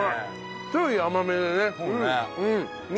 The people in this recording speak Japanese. ちょい甘めでね。